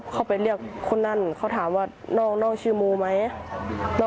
เขาไปเรียกคนนั้นเขาถามว่าน้องชื่อมูไหม